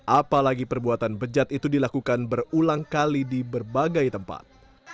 apalagi perbuatan bejat itu dilakukan berulang kali di berbagai tempat